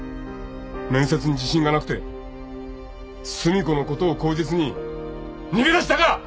面接に自信がなくて寿美子のことを口実に逃げ出したか！